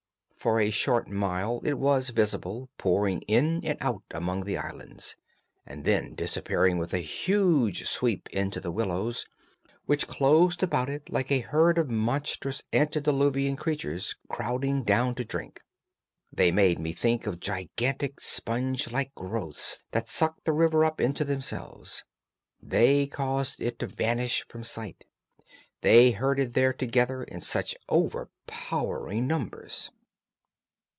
For a short mile it was visible, pouring in and out among the islands, and then disappearing with a huge sweep into the willows, which closed about it like a herd of monstrous antediluvian creatures crowding down to drink. They made me think of gigantic sponge like growths that sucked the river up into themselves. They caused it to vanish from sight. They herded there together in such overpowering numbers.